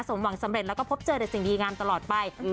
สมหวังสำเร็จแล้วก็พบเจอแต่สิ่งดีงามตลอดไป